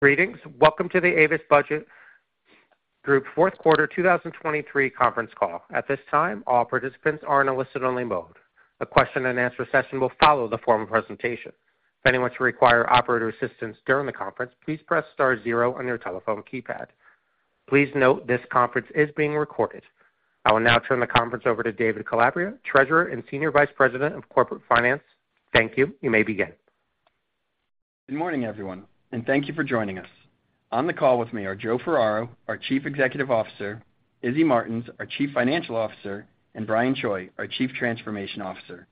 Greetings. Welcome to the Avis Budget Group Fourth Quarter 2023 Conference Call. At this time, all participants are in a listen-only mode. A question-and-answer session will follow the form of presentation. If anyone should require operator assistance during the conference, please press star zero on your telephone keypad. Please note this conference is being recorded. I will now turn the conference over to David Calabria, Treasurer and Senior Vice President of Corporate Finance. Thank you. You may begin. Good morning, everyone, and thank you for joining us. On the call with me are Joe Ferraro, our Chief Executive Officer; Izzy Martins, our Chief Financial Officer; and Brian Choi, our Chief Transformation Officer.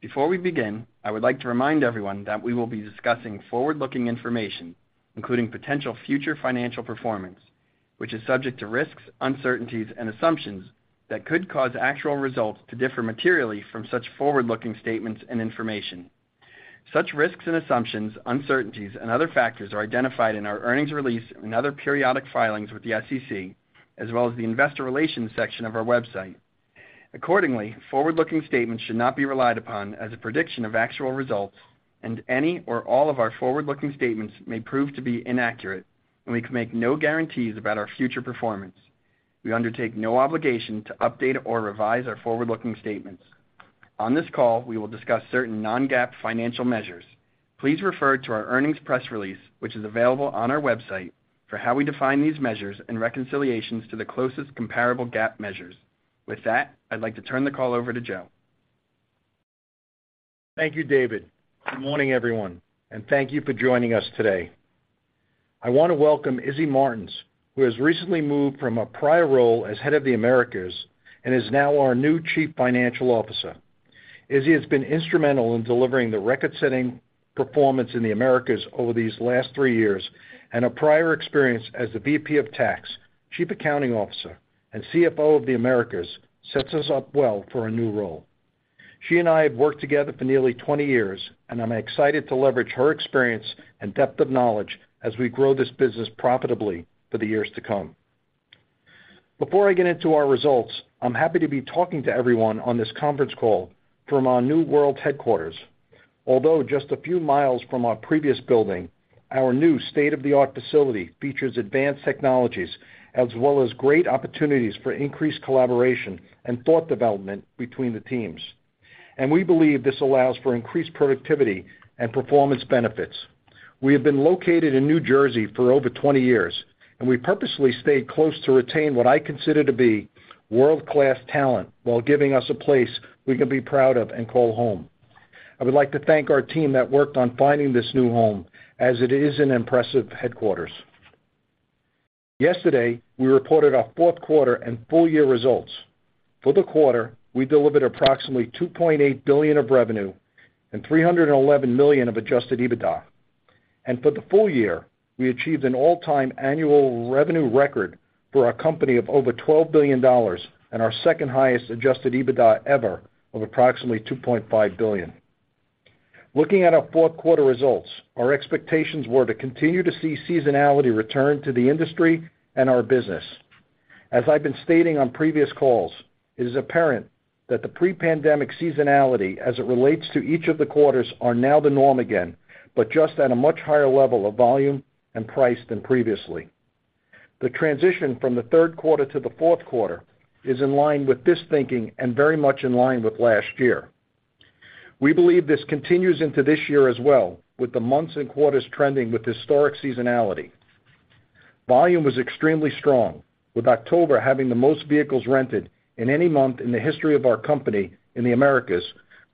Before we begin, I would like to remind everyone that we will be discussing forward-looking information, including potential future financial performance, which is subject to risks, uncertainties, and assumptions that could cause actual results to differ materially from such forward-looking statements and information. Such risks and assumptions, uncertainties, and other factors are identified in our earnings release and other periodic filings with the SEC, as well as the investor relations section of our website. Accordingly, forward-looking statements should not be relied upon as a prediction of actual results, and any or all of our forward-looking statements may prove to be inaccurate, and we can make no guarantees about our future performance. We undertake no obligation to update or revise our forward-looking statements. On this call, we will discuss certain non-GAAP financial measures. Please refer to our earnings press release, which is available on our website, for how we define these measures and reconciliations to the closest comparable GAAP measures. With that, I'd like to turn the call over to Joe. Thank you, David. Good morning, everyone, and thank you for joining us today. I want to welcome Izzy Martins, who has recently moved from a prior role as head of the Americas and is now our new Chief Financial Officer. Izzy has been instrumental in delivering the record-setting performance in the Americas over these last three years, and her prior experience as the VP of Tax, Chief Accounting Officer, and CFO of the Americas sets us up well for a new role. She and I have worked together for nearly 20 years, and I'm excited to leverage her experience and depth of knowledge as we grow this business profitably for the years to come. Before I get into our results, I'm happy to be talking to everyone on this conference call from our new world headquarters. Although just a few miles from our previous building, our new state-of-the-art facility features advanced technologies as well as great opportunities for increased collaboration and thought development between the teams, and we believe this allows for increased productivity and performance benefits. We have been located in New Jersey for over 20 years, and we purposely stayed close to retain what I consider to be world-class talent while giving us a place we can be proud of and call home. I would like to thank our team that worked on finding this new home, as it is an impressive headquarters. Yesterday, we reported our Q4 and full-year results. For the quarter, we delivered approximately $2.8 billion of revenue and $311 million of Adjusted EBITDA. For the full year, we achieved an all-time annual revenue record for our company of over $12 billion and our second-highest Adjusted EBITDA ever of approximately $2.5 billion. Looking at our Q4 results, our expectations were to continue to see seasonality return to the industry and our business. As I've been stating on previous calls, it is apparent that the pre-pandemic seasonality as it relates to each of the quarters are now the norm again, but just at a much higher level of volume and price than previously. The transition from the Q3 to the Q4 is in line with this thinking and very much in line with last year. We believe this continues into this year as well, with the months and quarters trending with historic seasonality. Volume was extremely strong, with October having the most vehicles rented in any month in the history of our company in the Americas,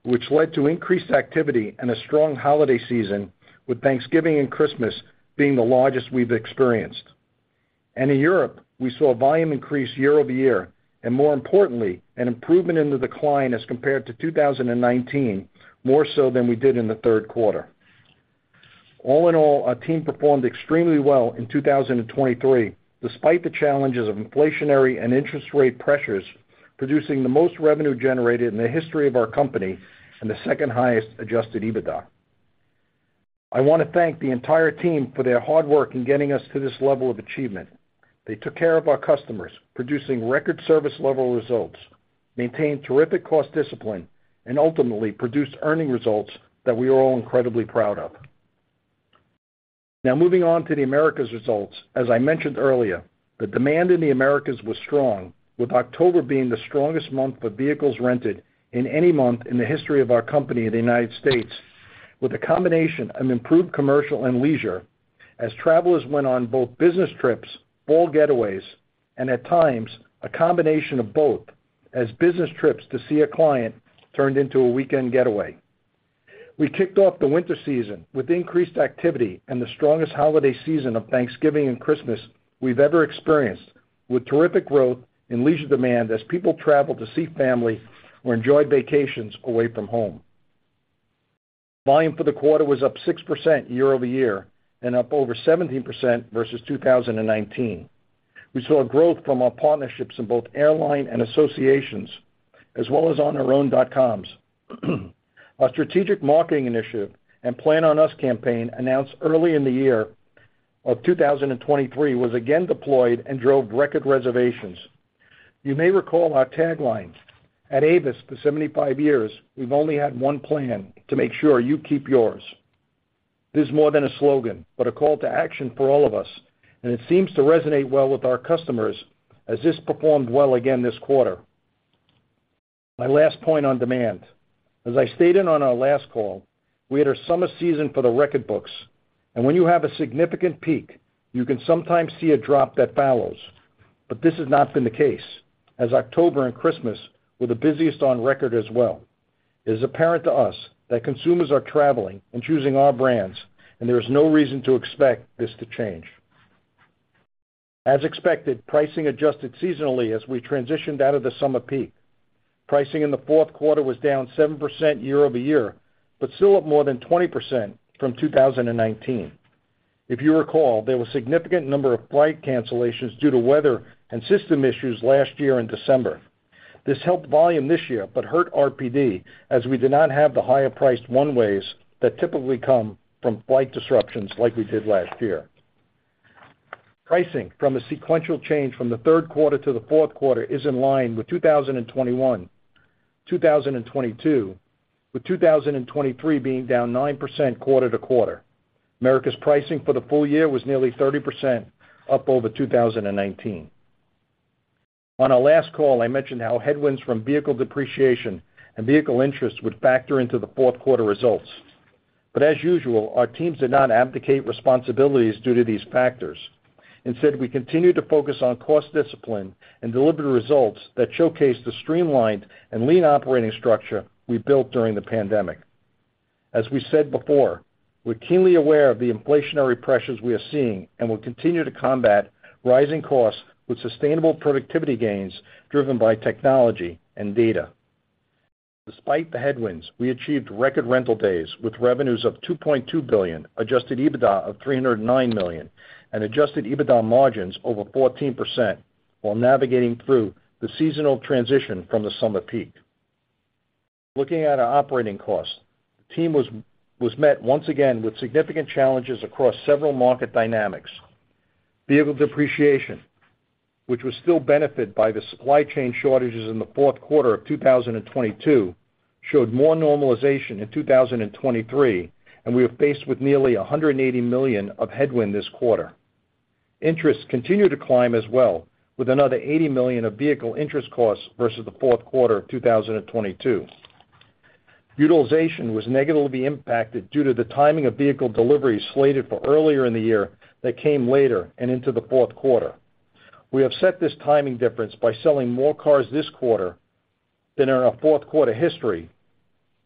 which led to increased activity and a strong holiday season, with Thanksgiving and Christmas being the largest we've experienced. In Europe, we saw a volume increase year-over-year and, more importantly, an improvement in the decline as compared to 2019, more so than we did in the Q3. All in all, our team performed extremely well in 2023 despite the challenges of inflationary and interest rate pressures, producing the most revenue generated in the history of our company and the second-highest Adjusted EBITDA. I want to thank the entire team for their hard work in getting us to this level of achievement. They took care of our customers, producing record service-level results, maintained terrific cost discipline, and ultimately produced earnings results that we are all incredibly proud of. Now, moving on to the Americas results. As I mentioned earlier, the demand in the Americas was strong, with October being the strongest month for vehicles rented in any month in the history of our company in the United States, with a combination of improved commercial and leisure as travelers went on both business trips, all getaways, and at times, a combination of both as business trips to see a client turned into a weekend getaway. We kicked off the winter season with increased activity and the strongest holiday season of Thanksgiving and Christmas we've ever experienced, with terrific growth in leisure demand as people traveled to see family or enjoyed vacations away from home. Volume for the quarter was up 6% year-over-year and up over 17% versus 2019. We saw growth from our partnerships in both airline and associations, as well as on our own .coms. Our strategic marketing initiative and Plan On Us campaign announced early in the year of 2023 was again deployed and drove record reservations. You may recall our tagline, "At Avis for 75 years, we've only had one plan to make sure you keep yours." This is more than a slogan but a call to action for all of us, and it seems to resonate well with our customers as this performed well again this quarter. My last point on demand. As I stated on our last call, we had our summer season for the record books, and when you have a significant peak, you can sometimes see a drop that follows. But this has not been the case, as October and Christmas were the busiest on record as well. It is apparent to us that consumers are traveling and choosing our brands, and there is no reason to expect this to change. As expected, pricing adjusted seasonally as we transitioned out of the summer peak. Pricing in the Q4 was down 7% year-over-year but still up more than 20% from 2019. If you recall, there was a significant number of flight cancellations due to weather and system issues last year in December. This helped volume this year but hurt RPD as we did not have the higher-priced one-ways that typically come from flight disruptions like we did last year. Pricing from a sequential change from the Q3 to the Q4 is in line with 2021, 2022, with 2023 being down 9% quarter-over-quarter. Americas' pricing for the full year was nearly 30% up over 2019. On our last call, I mentioned how headwinds from vehicle depreciation and vehicle interest would factor into the Q4 results. But as usual, our teams did not abdicate responsibilities due to these factors. Instead, we continue to focus on cost discipline and deliver the results that showcase the streamlined and lean operating structure we built during the pandemic. As we said before, we're keenly aware of the inflationary pressures we are seeing and will continue to combat rising costs with sustainable productivity gains driven by technology and data. Despite the headwinds, we achieved record rental days with revenues of $2.2 billion, Adjusted EBITDA of $309 million, and Adjusted EBITDA margins over 14% while navigating through the seasonal transition from the summer peak. Looking at our operating costs, the team was met once again with significant challenges across several market dynamics. Vehicle depreciation, which was still benefited by the supply chain shortages in the Q4 of 2022, showed more normalization in 2023, and we were faced with nearly $180 million of headwind this quarter. Interest continued to climb as well, with another $80 million of vehicle interest costs versus the Q4 of 2022. Utilization was negatively impacted due to the timing of vehicle deliveries slated for earlier in the year that came later and into the Q4. We have set this timing difference by selling more cars this quarter than in our Q4 history,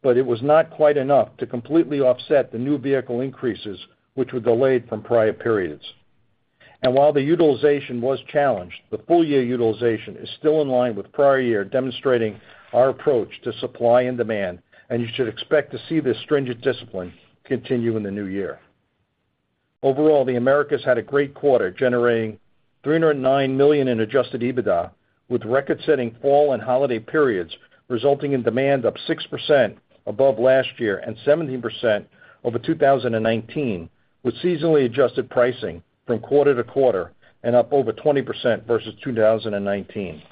but it was not quite enough to completely offset the new vehicle increases, which were delayed from prior periods. While the utilization was challenged, the full-year utilization is still in line with prior year, demonstrating our approach to supply and demand, and you should expect to see this stringent discipline continue in the new year. Overall, the Americas had a great quarter generating $309 million in adjusted EBITDA, with record-setting fall and holiday periods resulting in demand up 6% above last year and 17% over 2019, with seasonally adjusted pricing from quarter to quarter and up over 20% versus 2019.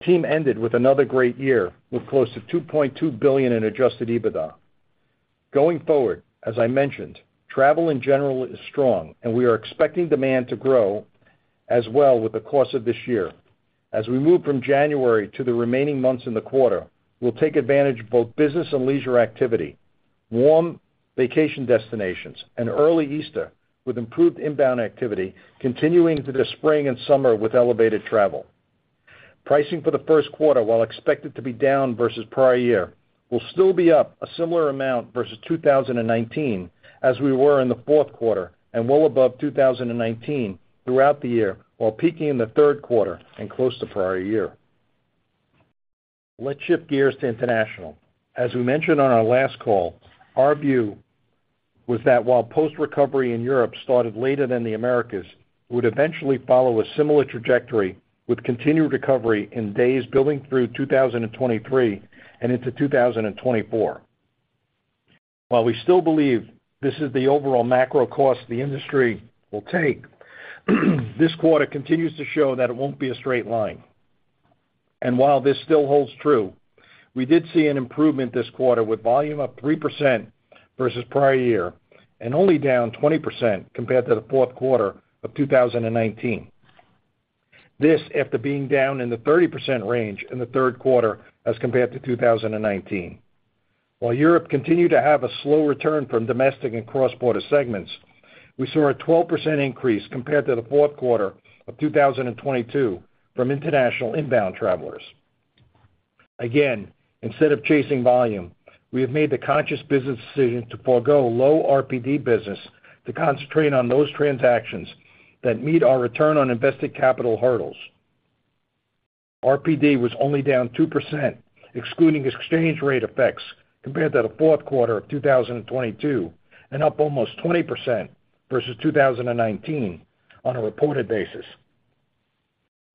The team ended with another great year with close to $2.2 billion in adjusted EBITDA. Going forward, as I mentioned, travel in general is strong, and we are expecting demand to grow as well with the cost of this year. As we move from January to the remaining months in the quarter, we'll take advantage of both business and leisure activity, warm vacation destinations, and early Easter with improved inbound activity continuing into the spring and summer with elevated travel. Pricing for the first quarter, while expected to be down versus prior year, will still be up a similar amount versus 2019 as we were in the Q4 and well above 2019 throughout the year, while peaking in the Q3 and close to prior year. Let's shift gears to international. As we mentioned on our last call, our view was that while post-recovery in Europe started later than the Americas, we would eventually follow a similar trajectory with continued recovery in days building through 2023 and into 2024. While we still believe this is the overall macro cost the industry will take, this quarter continues to show that it won't be a straight line. While this still holds true, we did see an improvement this quarter with volume up 3% versus prior year and only down 20% compared to the Q4 of 2019. This after being down in the 30% range in the Q3 as compared to 2019. While Europe continued to have a slow return from domestic and cross-border segments, we saw a 12% increase compared to the Q4 of 2022 from international inbound travelers. Again, instead of chasing volume, we have made the conscious business decision to forgo low RPD business to concentrate on those transactions that meet our return on invested capital hurdles. RPD was only down 2%, excluding exchange rate effects, compared to the Q4 of 2022 and up almost 20% versus 2019 on a reported basis.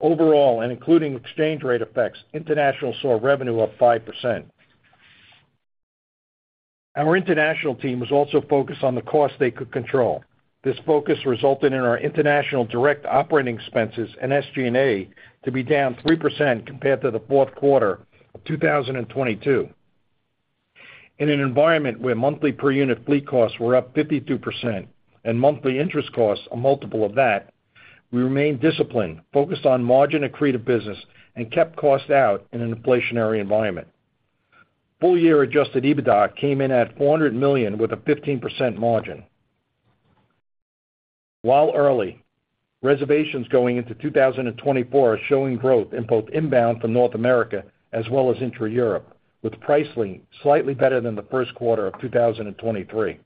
Overall, and including exchange rate effects, international saw revenue up 5%. Our international team was also focused on the costs they could control. This focus resulted in our international direct operating expenses and SG&A to be down 3% compared to the Q4 of 2022. In an environment where monthly per-unit fleet costs were up 52% and monthly interest costs a multiple of that, we remained disciplined, focused on margin accretive business, and kept costs out in an inflationary environment. Full-year Adjusted EBITDA came in at $400 million with a 15% margin. While early, reservations going into 2024 are showing growth in both inbound from North America as well as intra-Europe, with pricing slightly better than the first quarter of 2023.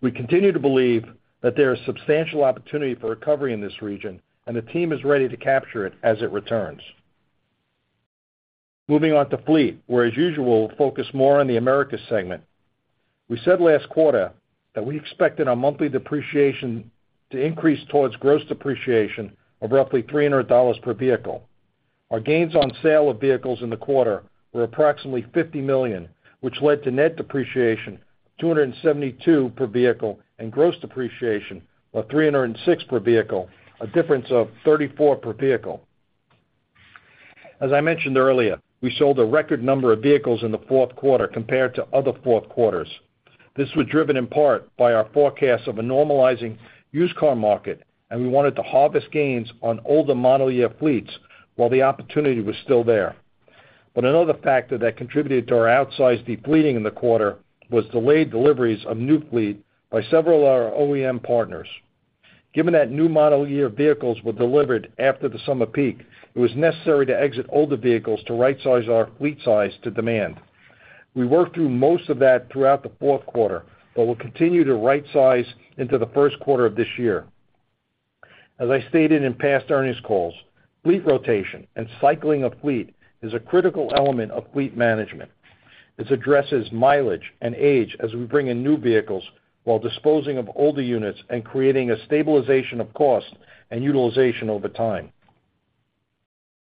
We continue to believe that there is substantial opportunity for recovery in this region, and the team is ready to capture it as it returns. Moving on to fleet, where as usual we'll focus more on the Americas segment. We said last quarter that we expected our monthly depreciation to increase towards gross depreciation of roughly $300 per vehicle. Our gains on sale of vehicles in the quarter were approximately $50 million, which led to net depreciation of 272 per vehicle and gross depreciation of 306 per vehicle, a difference of 34 per vehicle. As I mentioned earlier, we sold a record number of vehicles in the Q4 compared to other Q4s. This was driven in part by our forecast of a normalizing used car market, and we wanted to harvest gains on older model year fleets while the opportunity was still there. But another factor that contributed to our outsized depleting in the quarter was delayed deliveries of new fleet by several of our OEM partners. Given that new model year vehicles were delivered after the summer peak, it was necessary to exit older vehicles to right-size our fleet size to demand. We worked through most of that throughout the Q4 but will continue to right-size into the first quarter of this year. As I stated in past earnings calls, fleet rotation and cycling of fleet is a critical element of fleet management. This addresses mileage and age as we bring in new vehicles while disposing of older units and creating a stabilization of cost and utilization over time.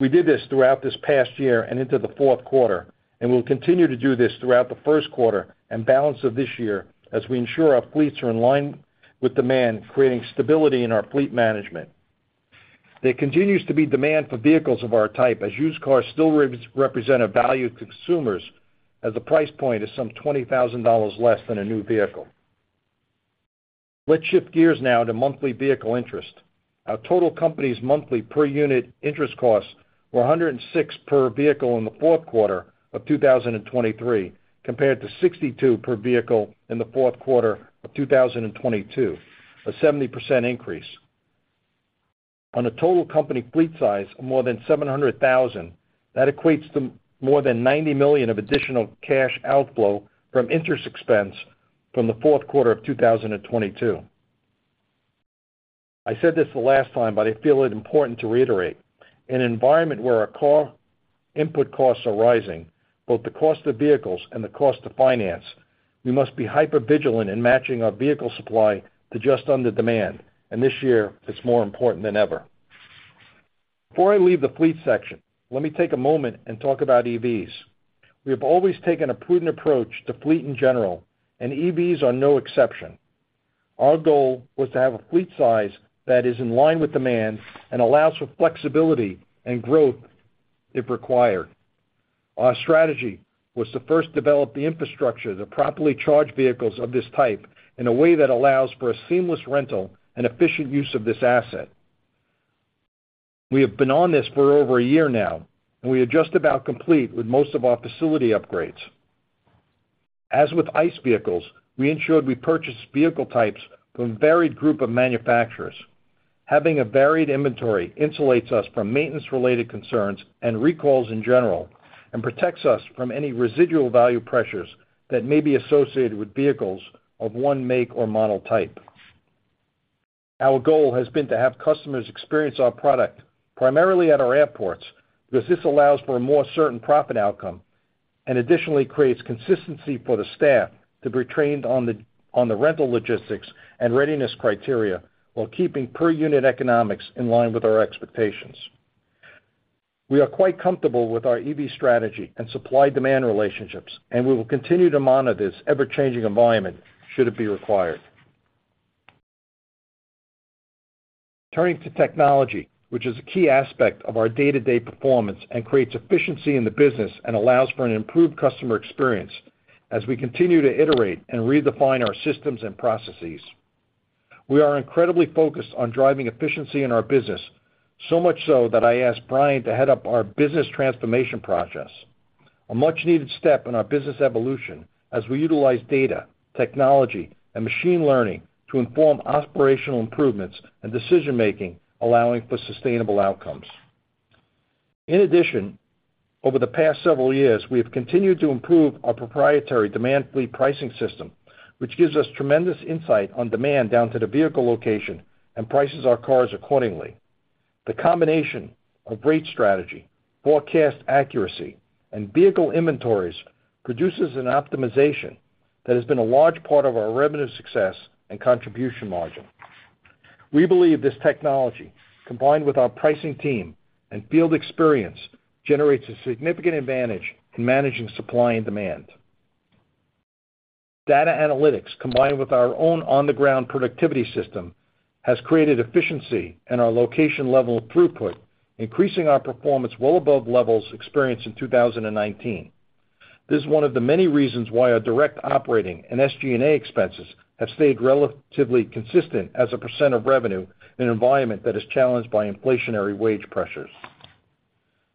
We did this throughout this past year and into the Q4, and we'll continue to do this throughout the first quarter and balance of this year as we ensure our fleets are in line with demand, creating stability in our fleet management. There continues to be demand for vehicles of our type as used cars still represent a value to consumers as the price point is some $20,000 less than a new vehicle. Let's shift gears now to monthly vehicle interest. Our total company's monthly per-unit interest costs were $106 per vehicle in the Q4 of 2023 compared to $62 per vehicle in the Q4 of 2022, a 70% increase. On a total company fleet size of more than 700,000, that equates to more than $90 million of additional cash outflow from interest expense from the Q4 of 2022. I said this the last time, but I feel it important to reiterate. In an environment where our car input costs are rising, both the cost of vehicles and the cost to finance, we must be hyper-vigilant in matching our vehicle supply to just under demand, and this year it's more important than ever. Before I leave the fleet section, let me take a moment and talk about EVs. We have always taken a prudent approach to fleet in general, and EVs are no exception. Our goal was to have a fleet size that is in line with demand and allows for flexibility and growth if required. Our strategy was to first develop the infrastructure to properly charge vehicles of this type in a way that allows for a seamless rental and efficient use of this asset. We have been on this for over a year now, and we are just about complete with most of our facility upgrades. As with ICE vehicles, we ensured we purchased vehicle types from a varied group of manufacturers. Having a varied inventory insulates us from maintenance-related concerns and recalls in general and protects us from any residual value pressures that may be associated with vehicles of one make or model type. Our goal has been to have customers experience our product primarily at our airports because this allows for a more certain profit outcome and additionally creates consistency for the staff to be trained on the rental logistics and readiness criteria while keeping per-unit economics in line with our expectations. We are quite comfortable with our EV strategy and supply-demand relationships, and we will continue to monitor this ever-changing environment should it be required. Turning to technology, which is a key aspect of our day-to-day performance and creates efficiency in the business and allows for an improved customer experience as we continue to iterate and redefine our systems and processes. We are incredibly focused on driving efficiency in our business, so much so that I asked Brian to head up our business transformation projects, a much-needed step in our business evolution as we utilize data, technology, and machine learning to inform operational improvements and decision-making, allowing for sustainable outcomes. In addition, over the past several years, we have continued to improve our proprietary Demand-Fleet-Pricing system, which gives us tremendous insight on demand down to the vehicle location and prices our cars accordingly. The combination of rate strategy, forecast accuracy, and vehicle inventories produces an optimization that has been a large part of our revenue success and contribution margin. We believe this technology, combined with our pricing team and field experience, generates a significant advantage in managing supply and demand. Data analytics, combined with our own on-the-ground productivity system, has created efficiency in our location-level throughput, increasing our performance well above levels experienced in 2019. This is one of the many reasons why our direct operating and SG&A expenses have stayed relatively consistent as a percent of revenue in an environment that is challenged by inflationary wage pressures.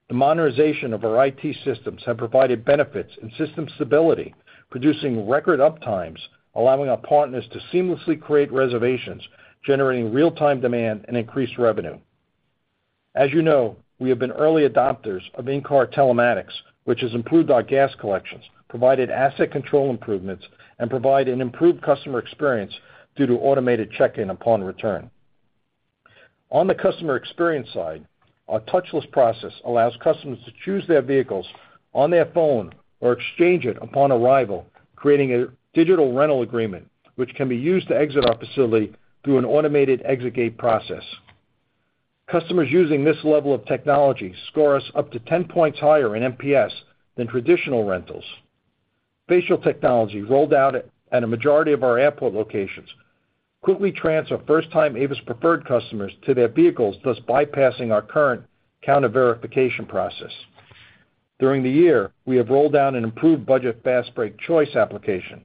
The modernization of our IT systems has provided benefits and system stability, producing record uptimes, allowing our partners to seamlessly create reservations, generating real-time demand and increased revenue. As you know, we have been early adopters of in-car telematics, which has improved our gas collections, provided asset control improvements, and provided an improved customer experience due to automated check-in upon return. On the customer experience side, our touchless process allows customers to choose their vehicles on their phone or exchange it upon arrival, creating a digital rental agreement which can be used to exit our facility through an automated exit gate process. Customers using this level of technology score us up to 10 points higher in NPS than traditional rentals. Facial technology, rolled out at a majority of our airport locations, quickly transfers first-time Avis Preferred customers to their vehicles, thus bypassing our current counter-verification process. During the year, we have rolled out an improved Budget Fastbreak Choice application.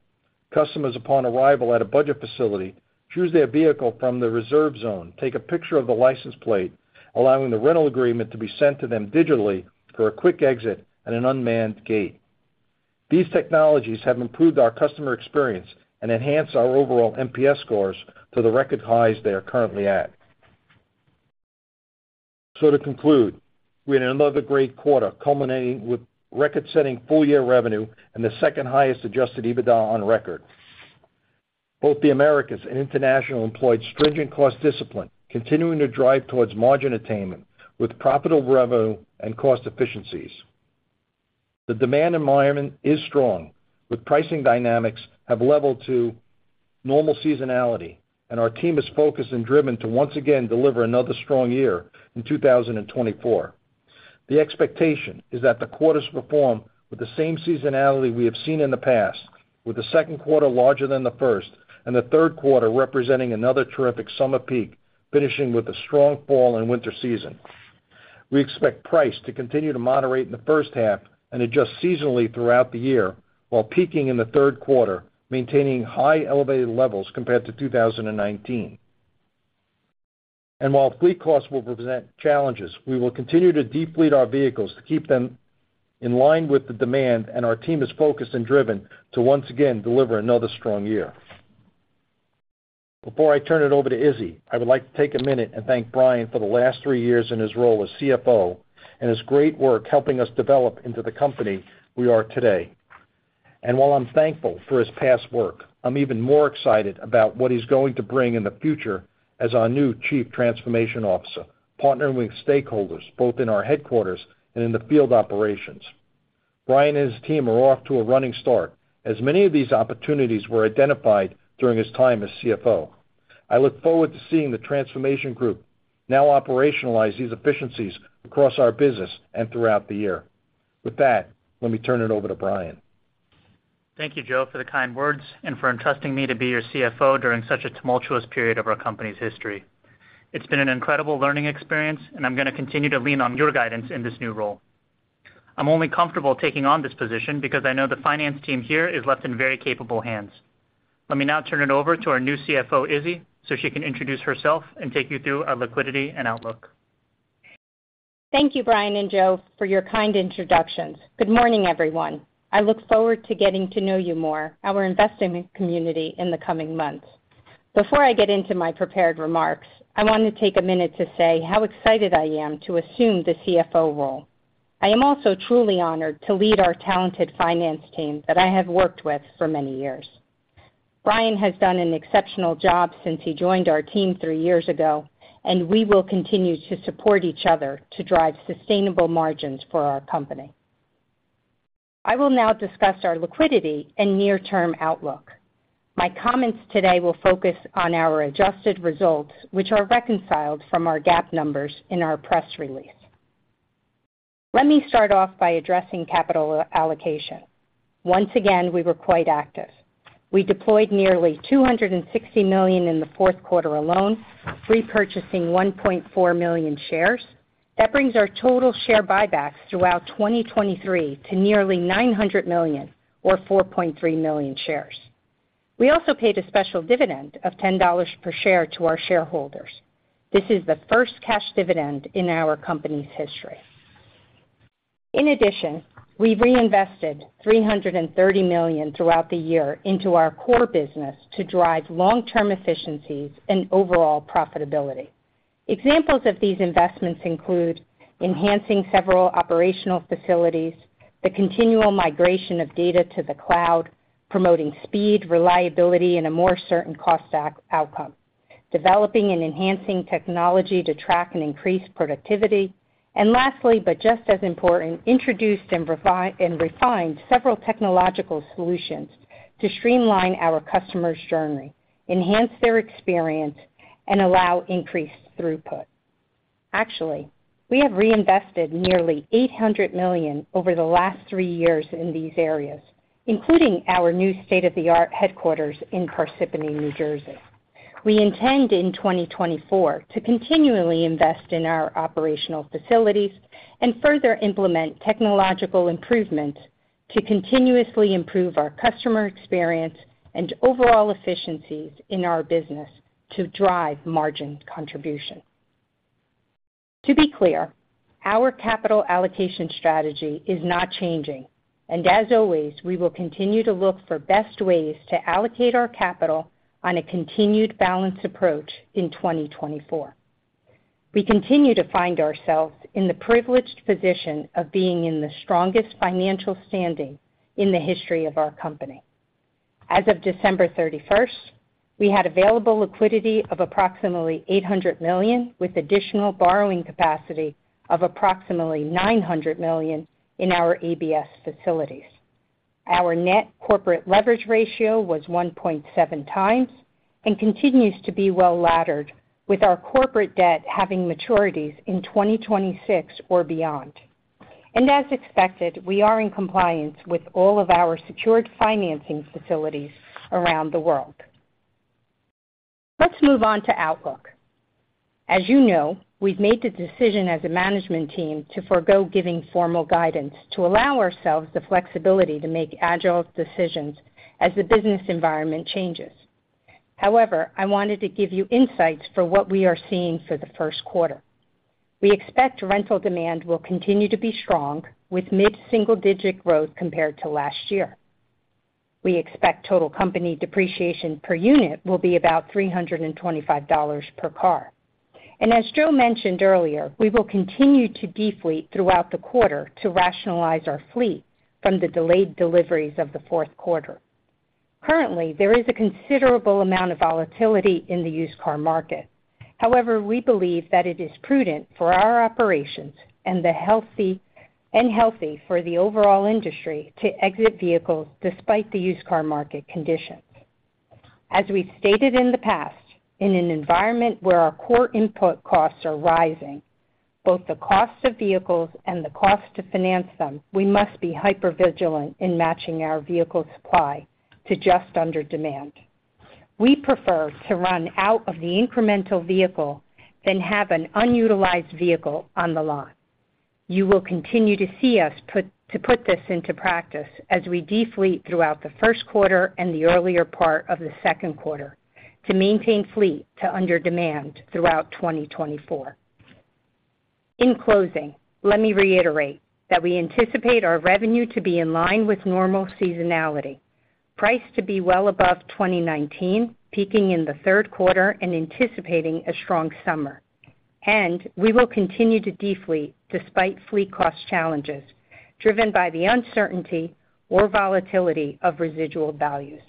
Customers, upon arrival at a Budget facility, choose their vehicle from the reserve zone, take a picture of the license plate, allowing the rental agreement to be sent to them digitally for a quick exit at an unmanned gate. These technologies have improved our customer experience and enhanced our overall NPS scores to the record highs they are currently at. So to conclude, we had another great quarter culminating with record-setting full-year revenue and the second-highest adjusted EBITDA on record. Both the Americas and International employed stringent cost discipline, continuing to drive towards margin attainment with profitable revenue and cost efficiencies. The demand environment is strong, with pricing dynamics have leveled to normal seasonality, and our team is focused and driven to once again deliver another strong year in 2024. The expectation is that the quarters perform with the same seasonality we have seen in the past, with the second quarter larger than the first and the Q3 representing another terrific summer peak, finishing with a strong fall and winter season. We expect price to continue to moderate in the first half and adjust seasonally throughout the year while peaking in the Q3, maintaining high elevated levels compared to 2019. While fleet costs will present challenges, we will continue to deplete our vehicles to keep them in line with the demand, and our team is focused and driven to once again deliver another strong year. Before I turn it over to Izzy, I would like to take a minute and thank Brian for the last three years in his role as CFO and his great work helping us develop into the company we are today. While I'm thankful for his past work, I'm even more excited about what he's going to bring in the future as our new Chief Transformation Officer, partnering with stakeholders both in our headquarters and in the field operations. Brian and his team are off to a running start as many of these opportunities were identified during his time as CFO. I look forward to seeing the Transformation Group now operationalize these efficiencies across our business and throughout the year. With that, let me turn it over to Brian. Thank you, Joe, for the kind words and for entrusting me to be your CFO during such a tumultuous period of our company's history. It's been an incredible learning experience, and I'm going to continue to lean on your guidance in this new role. I'm only comfortable taking on this position because I know the finance team here is left in very capable hands. Let me now turn it over to our new CFO, Izzy, so she can introduce herself and take you through our liquidity and outlook. Thank you, Brian and Joe, for your kind introductions. Good morning, everyone. I look forward to getting to know you more, our investing community, in the coming months. Before I get into my prepared remarks, I want to take a minute to say how excited I am to assume the CFO role. I am also truly honored to lead our talented finance team that I have worked with for many years. Brian has done an exceptional job since he joined our team three years ago, and we will continue to support each other to drive sustainable margins for our company. I will now discuss our liquidity and near-term outlook. My comments today will focus on our adjusted results, which are reconciled from our GAAP numbers in our press release. Let me start off by addressing capital allocation. Once again, we were quite active. We deployed nearly $260 million in the Q4 alone, repurchasing 1.4 million shares. That brings our total share buybacks throughout 2023 to nearly $900 million or 4.3 million shares. We also paid a special dividend of $10 per share to our shareholders. This is the first cash dividend in our company's history. In addition, we've reinvested $330 million throughout the year into our core business to drive long-term efficiencies and overall profitability. Examples of these investments include enhancing several operational facilities, the continual migration of data to the cloud, promoting speed, reliability, and a more certain cost outcome, developing and enhancing technology to track and increase productivity, and lastly, but just as important, introduced and refined several technological solutions to streamline our customers' journey, enhance their experience, and allow increased throughput. Actually, we have reinvested nearly $800 million over the last three years in these areas, including our new state-of-the-art headquarters in Parsippany, New Jersey. We intend in 2024 to continually invest in our operational facilities and further implement technological improvements to continuously improve our customer experience and overall efficiencies in our business to drive margin contribution. To be clear, our capital allocation strategy is not changing, and as always, we will continue to look for best ways to allocate our capital on a continued balanced approach in 2024. We continue to find ourselves in the privileged position of being in the strongest financial standing in the history of our company. As of December 31st, we had available liquidity of approximately $800 million with additional borrowing capacity of approximately $900 million in our ABS facilities. Our net corporate leverage ratio was 1.7x and continues to be well-laddered, with our corporate debt having maturities in 2026 or beyond. As expected, we are in compliance with all of our secured financing facilities around the world. Let's move on to outlook. As you know, we've made the decision as a management team to forgo giving formal guidance to allow ourselves the flexibility to make agile decisions as the business environment changes. However, I wanted to give you insights for what we are seeing for the first quarter. We expect rental demand will continue to be strong with mid-single-digit growth compared to last year. We expect total company depreciation per unit will be about $325 per car. And as Joe mentioned earlier, we will continue to deplete throughout the quarter to rationalize our fleet from the delayed deliveries of the Q4. Currently, there is a considerable amount of volatility in the used car market. However, we believe that it is prudent for our operations and healthy for the overall industry to exit vehicles despite the used car market conditions. As we've stated in the past, in an environment where our core input costs are rising, both the cost of vehicles and the cost to finance them, we must be hyper-vigilant in matching our vehicle supply to just under demand. We prefer to run out of the incremental vehicle than have an unutilized vehicle on the lot. You will continue to see us to put this into practice as we deplete throughout the first quarter and the earlier part of the second quarter to maintain fleet to under demand throughout 2024. In closing, let me reiterate that we anticipate our revenue to be in line with normal seasonality, price to be well above 2019, peaking in the Q3 and anticipating a strong summer, and we will continue to deplete despite fleet cost challenges driven by the uncertainty or volatility of residual values.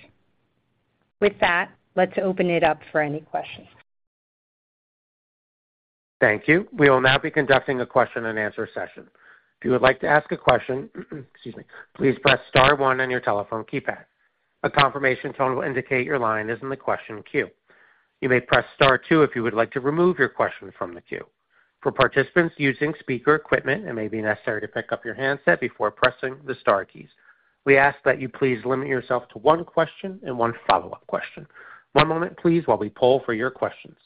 With that, let's open it up for any questions. Thank you. We will now be conducting a question-and-answer session. If you would like to ask a question, excuse me, please press star one on your telephone keypad. A confirmation tone will indicate your line is in the question queue. You may press star two if you would like to remove your question from the queue. For participants using speaker equipment, it may be necessary to pick up your handset before pressing the star keys. We ask that you please limit yourself to one question and one follow-up question. One moment, please, while we pull for your questions.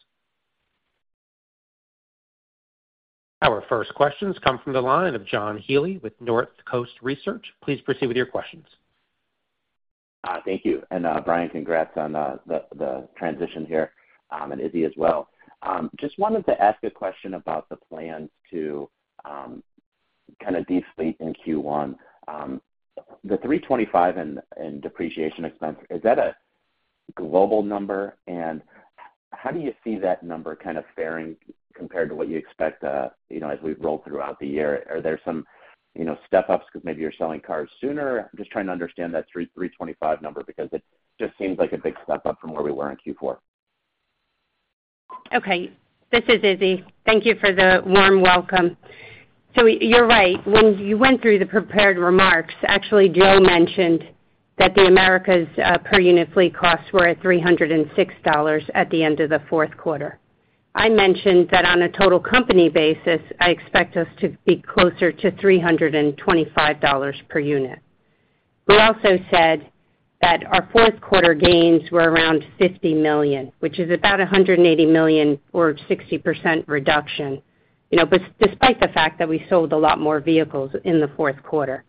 Our first questions come from the line of John Healy with Northcoast Research. Please proceed with your questions. Thank you. And Brian, congrats on the transition here, and Izzy as well. Just wanted to ask a question about the plans to kind of deplete in Q1. The $325 in depreciation expense, is that a global number? And how do you see that number kind of faring compared to what you expect as we've rolled throughout the year? Are there some step-ups because maybe you're selling cars sooner? I'm just trying to understand that $325 number because it just seems like a big step-up from where we were in Q4. Okay. This is Izzy. Thank you for the warm welcome. So you're right. When you went through the prepared remarks, actually, Joe mentioned that the Americas per unit fleet costs were at $306 at the end of the Q4. I mentioned that on a total company basis, I expect us to be closer to $325 per unit. We also said that our Q4 gains were around $50 million, which is about $180 million or 60% reduction, despite the fact that we sold a lot more vehicles in the Q4.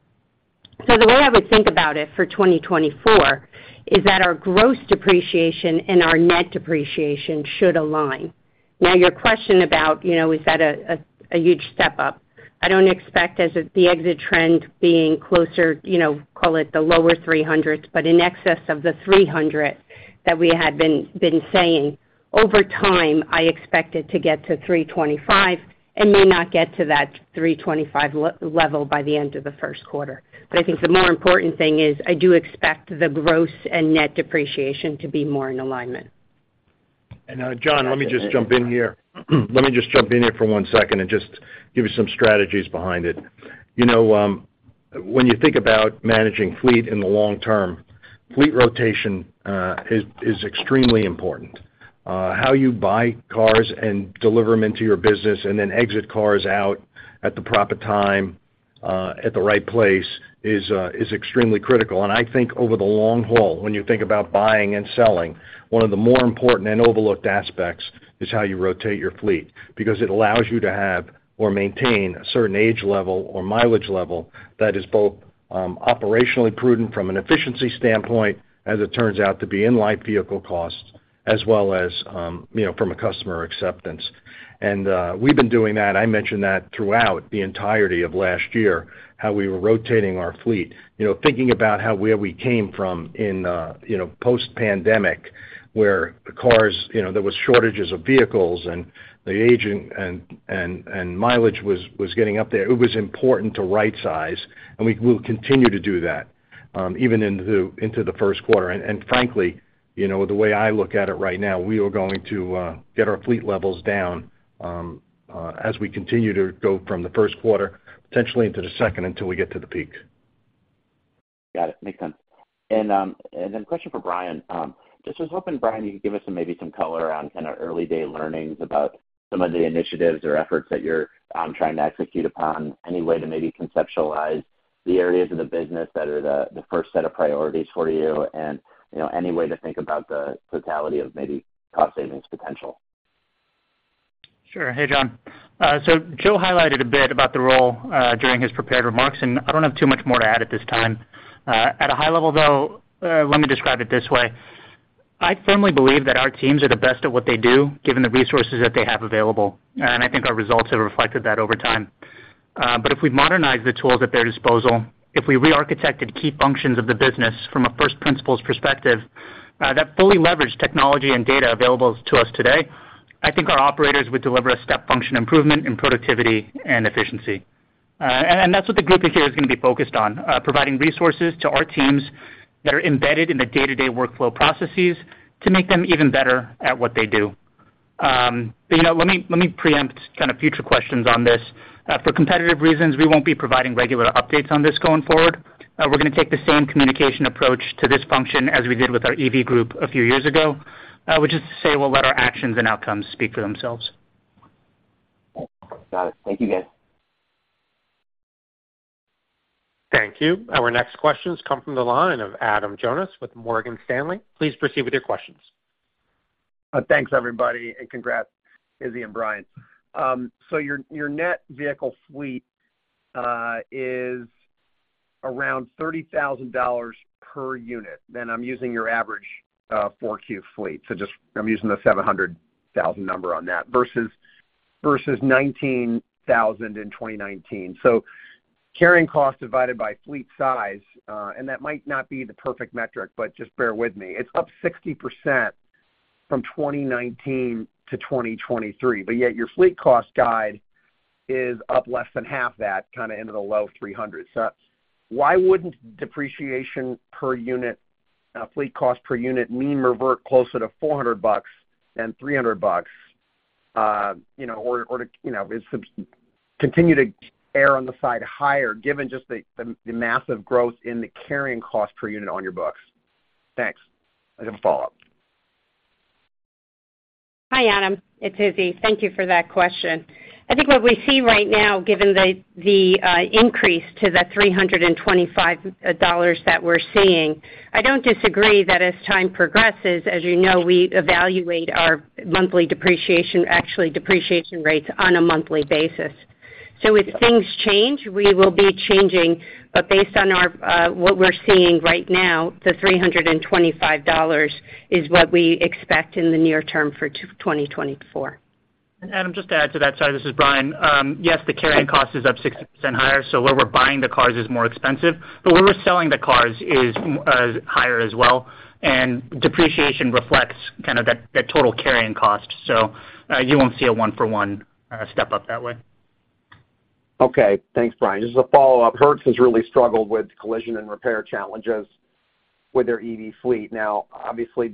So the way I would think about it for 2024 is that our gross depreciation and our net depreciation should align. Now, your question about, "Is that a huge step-up?" I don't expect as the exit trend being closer, call it the lower 300s, but in excess of the 300 that we had been saying, over time, I expect it to get to 325 and may not get to that 325 level by the end of the first quarter. But I think the more important thing is I do expect the gross and net depreciation to be more in alignment. And John, let me just jump in here. Let me just jump in here for one second and just give you some strategies behind it. When you think about managing fleet in the long term, fleet rotation is extremely important. How you buy cars and deliver them into your business and then exit cars out at the proper time, at the right place, is extremely critical. And I think over the long haul, when you think about buying and selling, one of the more important and overlooked aspects is how you rotate your fleet because it allows you to have or maintain a certain age level or mileage level that is both operationally prudent from an efficiency standpoint, as it turns out to be in-life vehicle costs, as well as from a customer acceptance. And we've been doing that. I mentioned that throughout the entirety of last year, how we were rotating our fleet, thinking about where we came from in post-pandemic where there was shortages of vehicles and the age and mileage was getting up there. It was important to right-size, and we will continue to do that even into the first quarter. And frankly, the way I look at it right now, we are going to get our fleet levels down as we continue to go from the first quarter, potentially into the second, until we get to the peak. Got it. Makes sense. And then a question for Brian.Just was hoping, Brian, you could give us maybe some color on kind of early-day learnings about some of the initiatives or efforts that you're trying to execute upon, any way to maybe conceptualize the areas of the business that are the first set of priorities for you, and any way to think about the totality of maybe cost-savings potential. Sure. Hey, John. So Joe highlighted a bit about the role during his prepared remarks, and I don't have too much more to add at this time. At a high level, though, let me describe it this way. I firmly believe that our teams are the best at what they do given the resources that they have available, and I think our results have reflected that over time. But if we modernized the tools at their disposal, if we rearchitected key functions of the business from a first principles perspective that fully leverage technology and data available to us today, I think our operators would deliver a step function improvement in productivity and efficiency. And that's what the group here is going to be focused on, providing resources to our teams that are embedded in the day-to-day workflow processes to make them even better at what they do. But let me preempt kind of future questions on this. For competitive reasons, we won't be providing regular updates on this going forward. We're going to take the same communication approach to this function as we did with our EV group a few years ago, which is to say we'll let our actions and outcomes speak for themselves. Got it. Thank you, guys. Thank you. Our next questions come from the line of Adam Jonas with Morgan Stanley. Please proceed with your questions. Thanks, everybody, and congrats, Izzy and Brian. So your net vehicle fleet is around $30,000 per unit. Then I'm using your average 4Q fleet. So I'm using the 700,000 number on that versus 19,000 in 2019. So carrying cost divided by fleet size - and that might not be the perfect metric, but just bear with me - it's up 60% from 2019 to 2023, but yet your fleet cost guide is up less than half that, kind of into the low $300s. So why wouldn't depreciation per unit, fleet cost per unit, mean revert closer to $400 than $300 or continue to err on the side higher given just the massive growth in the carrying cost per unit on your books? Thanks. I have a follow-up. Hi, Adam.It's Izzy. Thank you for that question. I think what we see right now, given the increase to the $325 that we're seeing, I don't disagree that as time progresses, as you know, we evaluate our monthly depreciation, actually, depreciation rates on a monthly basis. So if things change, we will be changing, but based on what we're seeing right now, the $325 is what we expect in the near term for 2024. And Adam, just to add to that, sorry, this is Brian, yes, the carrying cost is up 60% higher, so where we're buying the cars is more expensive, but where we're selling the cars is higher as well, and depreciation reflects kind of that total carrying cost. So you won't see a one-for-one step-up that way. Okay. Thanks, Brian. Just a follow-up. Hertz has really struggled with collision and repair challenges with their EV fleet. Now, obviously,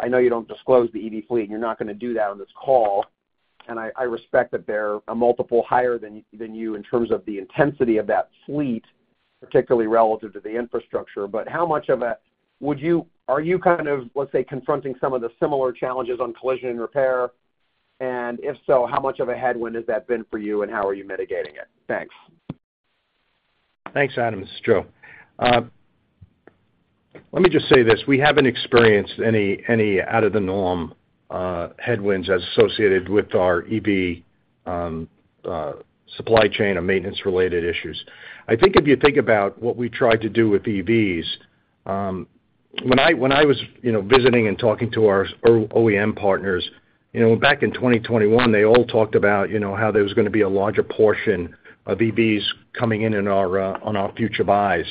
I know you don't disclose the EV fleet, and you're not going to do that on this call, and I respect that they're a multiple higher than you in terms of the intensity of that fleet, particularly relative to the infrastructure. But how much of a are you kind of, let's say, confronting some of the similar challenges on collision and repair? And if so, how much of a headwind has that been for you, and how are you mitigating it? Thanks. Thanks, Adam. This is Joe. Let me just say this. We haven't experienced any out-of-the-norm headwinds as associated with our EV supply chain or maintenance-related issues. I think if you think about what we tried to do with EVs, when I was visiting and talking to our OEM partners, back in 2021, they all talked about how there was going to be a larger portion of EVs coming in on our future buys.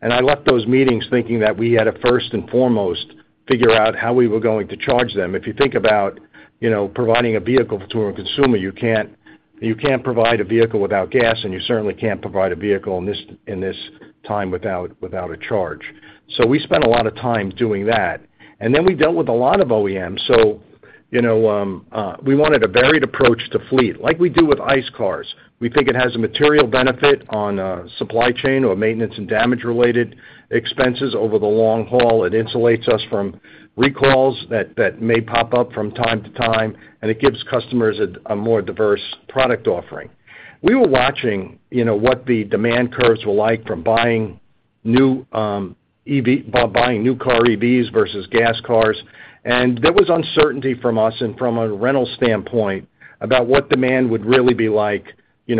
And I left those meetings thinking that we had to first and foremost figure out how we were going to charge them. If you think about providing a vehicle to a consumer, you can't provide a vehicle without gas, and you certainly can't provide a vehicle in this time without a charge. So we spent a lot of time doing that. And then we dealt with a lot of OEMs. So we wanted a varied approach to fleet like we do with ICE cars. We think it has a material benefit on supply chain or maintenance and damage-related expenses over the long haul. It insulates us from recalls that may pop up from time to time, and it gives customers a more diverse product offering. We were watching what the demand curves were like from buying new car EVs versus gas cars, and there was uncertainty from us and from a rental standpoint about what demand would really be like in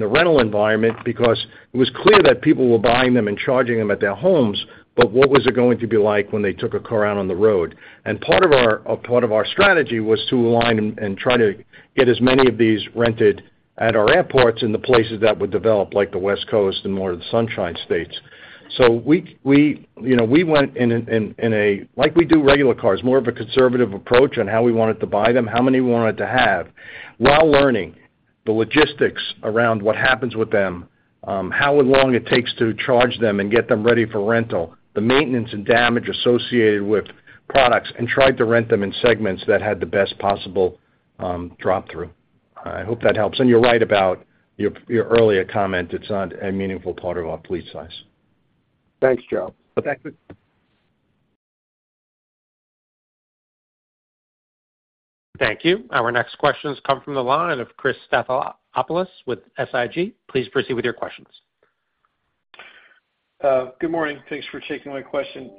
the rental environment because it was clear that people were buying them and charging them at their homes, but what was it going to be like when they took a car out on the road? Part of our strategy was to align and try to get as many of these rented at our airports in the places that would develop, like the West Coast and more of the Sunshine States. So we went in a like we do regular cars, more of a conservative approach on how we wanted to buy them, how many we wanted to have, while learning the logistics around what happens with them, how long it takes to charge them and get them ready for rental, the maintenance and damage associated with products, and tried to rent them in segments that had the best possible drop-through. I hope that helps. And you're right about your earlier comment. It's not a meaningful part of our fleet size. Thanks, Joe. Thank you. Our next questions come from the line of Chris Stathoulopoulos with SIG. Please proceed with your questions. Good morning. Thanks for taking my question.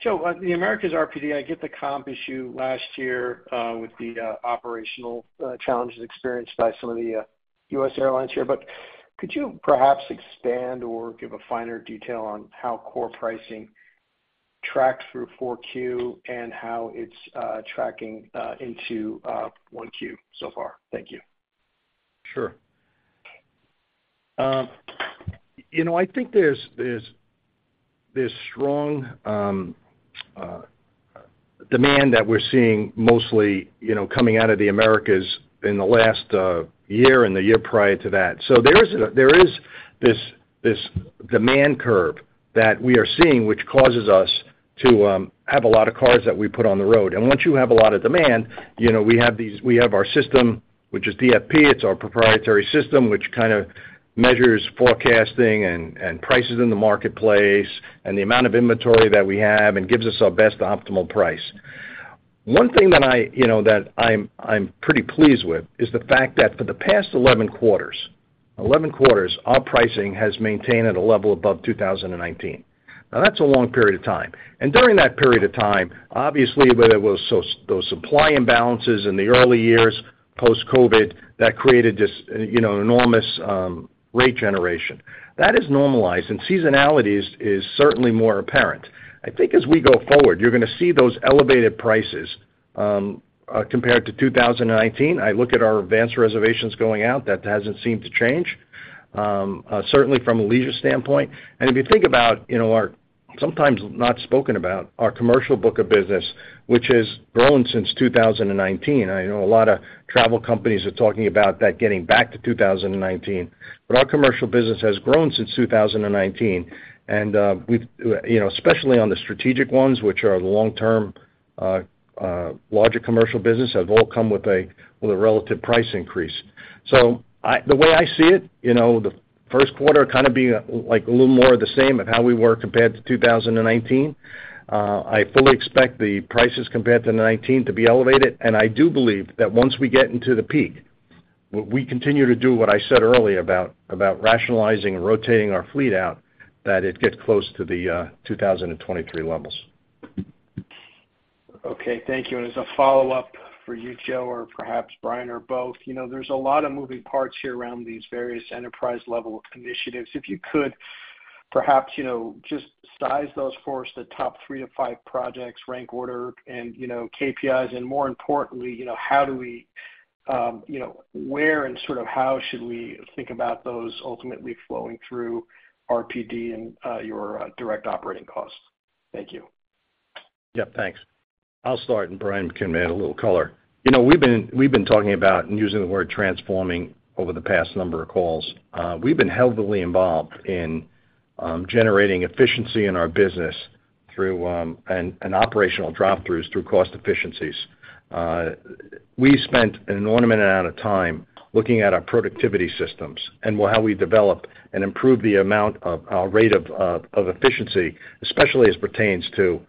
Joe, the Americas RPD, I get the comp issue last year with the operational challenges experienced by some of the U.S. airlines here. But could you perhaps expand or give a finer detail on how core pricing tracked through 4Q and how it's tracking into 1Q so far? Thank you. Sure. I think there's strong demand that we're seeing mostly coming out of the Americas in the last year and the year prior to that. So there is this demand curve that we are seeing, which causes us to have a lot of cars that we put on the road. And once you have a lot of demand, we have our system, which is DFP. It's our proprietary system, which kind of measures forecasting and prices in the marketplace and the amount of inventory that we have and gives us our best optimal price. One thing that I'm pretty pleased with is the fact that for the past 11 quarters, our pricing has maintained at a level above 2019. Now, that's a long period of time. And during that period of time, obviously, there were those supply imbalances in the early years post-COVID that created just enormous rate generation. That has normalized, and seasonality is certainly more apparent. I think as we go forward, you're going to see those elevated prices compared to 2019. I look at our advanced reservations going out. That hasn't seemed to change, certainly from a leisure standpoint. And if you think about our sometimes not spoken about, our commercial book of business, which has grown since 2019 - I know a lot of travel companies are talking about that getting back to 2019 - but our commercial business has grown since 2019, and especially on the strategic ones, which are the long-term larger commercial business, have all come with a relative price increase. So the way I see it, the first quarter kind of being a little more of the same of how we were compared to 2019. I fully expect the prices compared to 2019 to be elevated, and I do believe that once we get into the peak, we continue to do what I said earlier about rationalizing and rotating our fleet out, that it gets close to the 2023 levels. Okay. Thank you. And as a follow-up for you, Joe, or perhaps Brian or both, there's a lot of moving parts here around these various enterprise-level initiatives. If you could perhaps just size those for us, the top three to five projects, rank order, and KPIs, and more importantly, how do we where and sort of how should we think about those ultimately flowing through RPD and your direct operating costs? Thank you. Yep. Thanks.I'll start, and Brian can add a little color. We've been talking about and using the word transforming over the past number of calls. We've been heavily involved in generating efficiency in our business through and operational drop-throughs through cost efficiencies. We spent an enormous amount of time looking at our productivity systems and how we develop and improve the amount of our rate of efficiency, especially as pertains to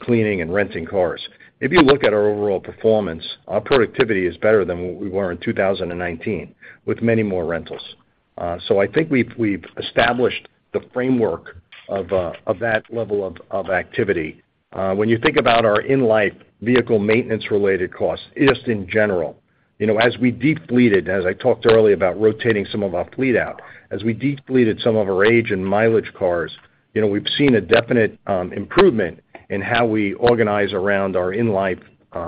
cleaning and renting cars. If you look at our overall performance, our productivity is better than we were in 2019 with many more rentals. So I think we've established the framework of that level of activity. When you think about our in-life vehicle maintenance-related costs just in general, as we depleted as I talked earlier about rotating some of our fleet out, as we depleted some of our age and mileage cars, we've seen a definite improvement in how we organize around our in-life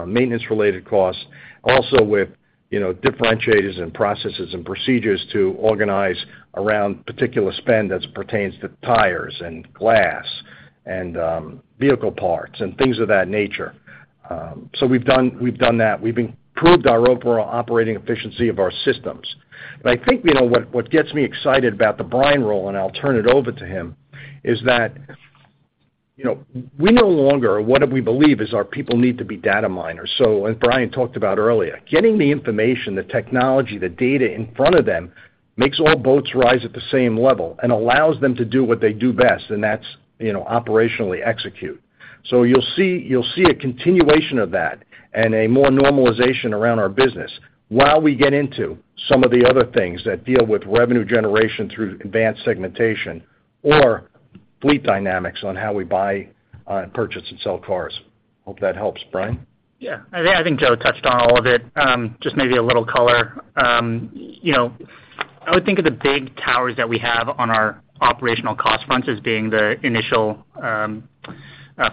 maintenance-related costs, also with differentiators and processes and procedures to organize around particular spend that pertains to tires and glass and vehicle parts and things of that nature. So we've done that. We've improved our overall operating efficiency of our systems. But I think what gets me excited about the Brian role, and I'll turn it over to him, is that we no longer what we believe is our people need to be data miners. So as Brian talked about earlier, getting the information, the technology, the data in front of them makes all boats rise at the same level and allows them to do what they do best, and that's operationally execute. So you'll see a continuation of that and a more normalization around our business while we get into some of the other things that deal with revenue generation through advanced segmentation or fleet dynamics on how we buy, purchase, and sell cars. Hope that helps, Brian. Yeah. I think Joe touched on all of it, just maybe a little color. I would think of the big towers that we have on our operational cost fronts as being the initial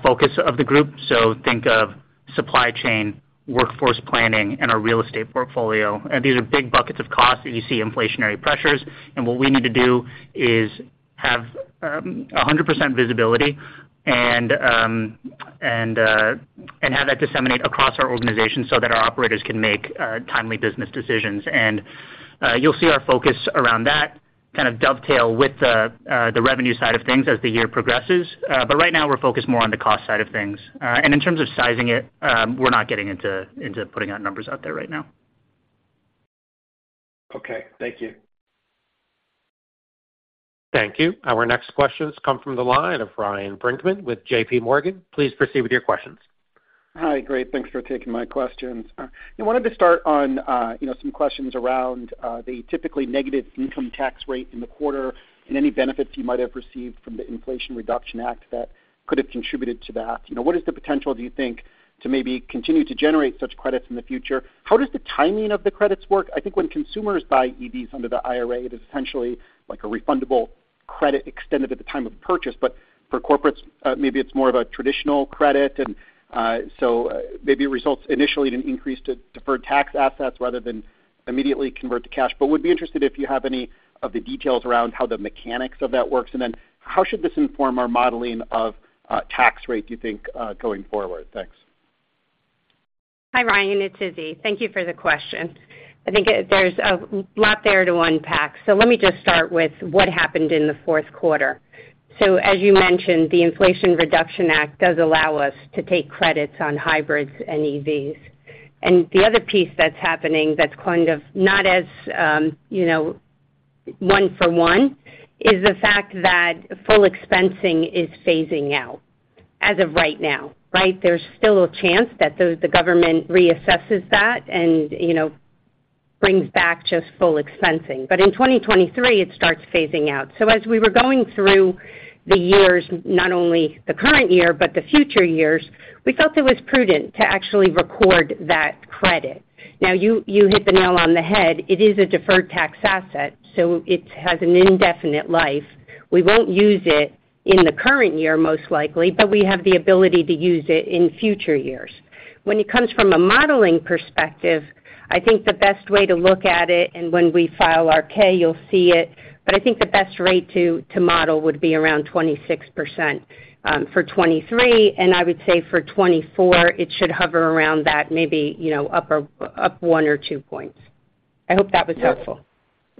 focus of the group. So think of supply chain, workforce planning, and our real estate portfolio. These are big buckets of costs that you see inflationary pressures. What we need to do is have 100% visibility and have that disseminate across our organization so that our operators can make timely business decisions. You'll see our focus around that kind of dovetail with the revenue side of things as the year progresses. Right now, we're focused more on the cost side of things. In terms of sizing it, we're not getting into putting out numbers out there right now. Okay. Thank you. Thank you. Our next questions come from the line of Ryan Brinkman with J.P. Morgan. Please proceed with your questions. Hi. Great. Thanks for taking my questions. I wanted to start on some questions around the typically negative income tax rate in the quarter and any benefits you might have received from the Inflation Reduction Act that could have contributed to that. What is the potential, do you think, to maybe continue to generate such credits in the future? How does the timing of the credits work? I think when consumers buy EVs under the IRA, it is essentially a refundable credit extended at the time of purchase. But for corporates, maybe it's more of a traditional credit, and so maybe it results initially in an increase to deferred tax assets rather than immediately convert to cash. But would be interested if you have any of the details around how the mechanics of that works. And then how should this inform our modeling of tax rate, do you think, going forward? Thanks. Hi, Ryan. It's Izzy Martins. Thank you for the question. I think there's a lot there to unpack. So let me just start with what happened in the Q4. So as you mentioned, the Inflation Reduction Act does allow us to take credits on hybrids and EVs. And the other piece that's happening that's kind of not as one-for-one is the fact that full expensing is phasing out as of right now, right? There's still a chance that the government reassesses that and brings back just full expensing. But in 2023, it starts phasing out. So as we were going through the years, not only the current year but the future years, we felt it was prudent to actually record that credit. Now, you hit the nail on the head. It is a deferred tax asset, so it has an indefinite life. We won't use it in the current year, most likely, but we have the ability to use it in future years. When it comes from a modeling perspective, I think the best way to look at it, and when we file our K, you'll see it. But I think the best rate to model would be around 26% for 2023. And I would say for 2024, it should hover around that, maybe up one or two points. I hope that was helpful.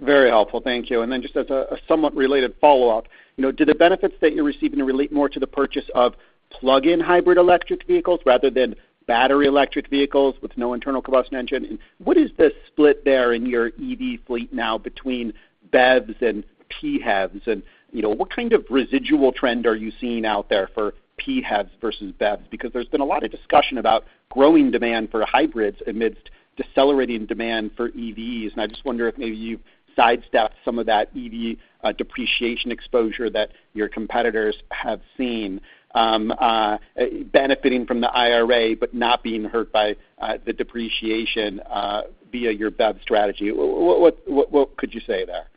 Very helpful. Thank you. And then just as a somewhat related follow-up, do the benefits that you're receiving relate more to the purchase of plug-in hybrid electric vehicles rather than battery electric vehicles with no internal combustion engine? And what is the split there in your EV fleet now between BEVs and PHEVs? And what kind of residual trend are you seeing out there for PHEVs versus BEVs? Because there's been a lot of discussion about growing demand for hybrids amidst decelerating demand for EVs. I just wonder if maybe you've sidestepped some of that EV depreciation exposure that your competitors have seen, benefiting from the IRA but not being hurt by the depreciation via your BEV strategy. What could you say there?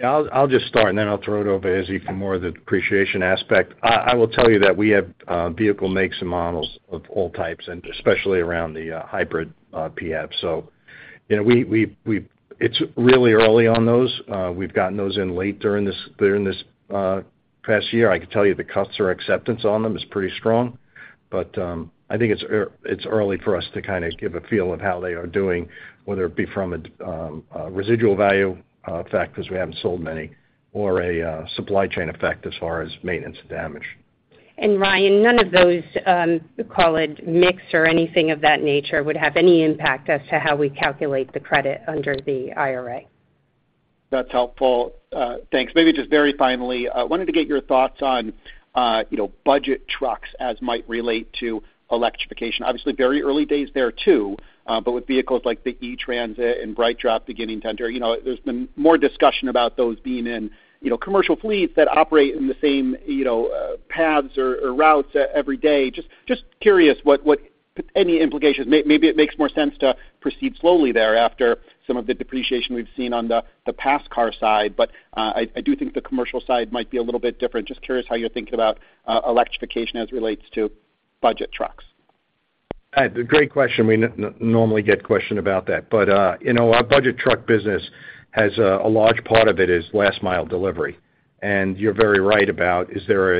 Yeah. I'll just start, and then I'll throw it over to Izzy for more of the depreciation aspect. I will tell you that we have vehicle makes and models of all types, and especially around the hybrid PHEVs. So it's really early on those. We've gotten those in late during this past year. I can tell you the customer acceptance on them is pretty strong. But I think it's early for us to kind of give a feel of how they are doing, whether it be from a residual value effect because we haven't sold many or a supply chain effect as far as maintenance and damage. Ryan, none of those, call it mix or anything of that nature, would have any impact as to how we calculate the credit under the IRA. That's helpful. Thanks. Maybe just very finally, I wanted to get your thoughts on Budget trucks as might relate to electrification. Obviously, very early days there too, but with vehicles like the E-Transit and BrightDrop beginning to enter, there's been more discussion about those being in commercial fleets that operate in the same paths or routes every day. Just curious what any implications? Maybe it makes more sense to proceed slowly there after some of the depreciation we've seen on the pass-car side. But I do think the commercial side might be a little bit different. Just curious how you're thinking about electrification as relates to Budget trucks. That's a great question. We normally get questions about that. But our Budget Truck business has a large part of it is last-mile delivery. And you're very right about, is there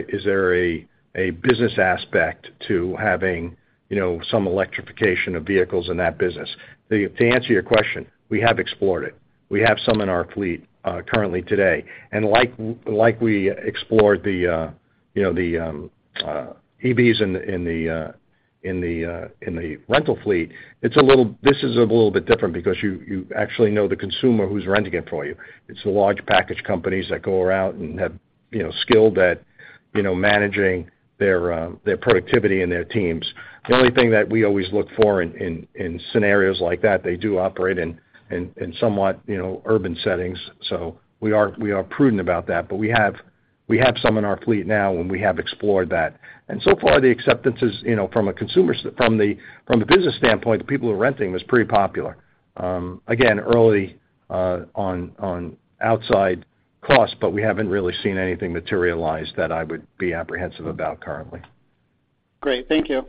a business aspect to having some electrification of vehicles in that business? To answer your question, we have explored it. We have some in our fleet currently today. And like we explored the EVs in the rental fleet, this is a little bit different because you actually know the consumer who's renting it for you. It's the large package companies that go around and have skill that managing their productivity and their teams. The only thing that we always look for in scenarios like that, they do operate in somewhat urban settings. So we are prudent about that. But we have some in our fleet now, and we have explored that. And so far, the acceptance from the business standpoint, the people who are renting, was pretty popular, again, early on, outside costs. But we haven't really seen anything materialize that I would be apprehensive about currently. Great. Thank you.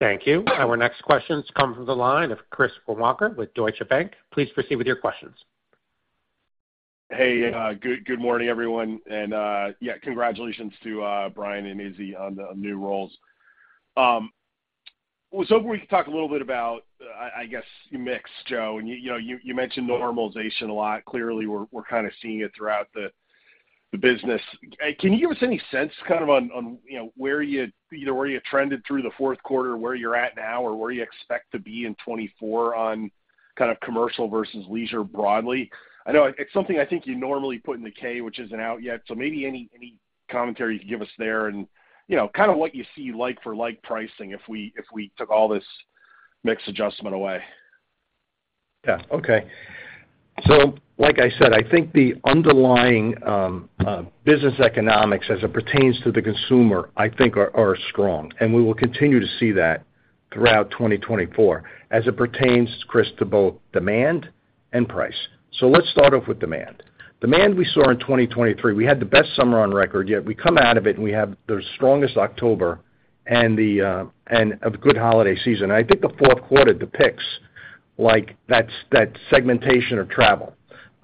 Thank you. Our next questions come from the line of Chris Woronka with Deutsche Bank. Please proceed with your questions. Hey. Good morning, everyone. And yeah, congratulations to Brian and Izzy on the new roles. So if we could talk a little bit about, I guess, your mix, Joe. And you mentioned normalization a lot. Clearly, we're kind of seeing it throughout the business. Can you give us any sense kind of on where you either where you trended through the Q4, where you're at now, or where you expect to be in 2024 on kind of commercial versus leisure broadly? I know it's something I think you normally put in the K, which isn't out yet. So maybe any commentary you can give us there and kind of what you see like-for-like pricing if we took all this mix adjustment away. Yeah. Okay. So like I said, I think the underlying business economics as it pertains to the consumer, I think, are strong. And we will continue to see that throughout 2024 as it pertains, Chris, to both demand and price. So let's start off with demand. Demand we saw in 2023, we had the best summer on record yet. We come out of it, and we have the strongest October and a good holiday season. And I think the Q4 depicts that segmentation of travel.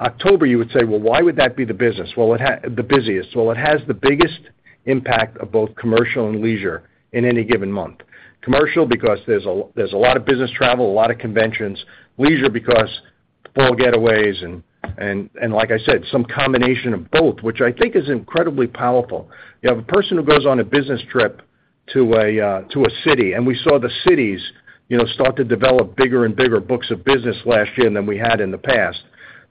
October, you would say, "Well, why would that be the business?" Well, the busiest. Well, it has the biggest impact of both commercial and leisure in any given month. Commercial because there's a lot of business travel, a lot of conventions. Leisure because full getaways and, like I said, some combination of both, which I think is incredibly powerful. You have a person who goes on a business trip to a city, and we saw the cities start to develop bigger and bigger books of business last year than we had in the past.